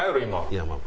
いやまあ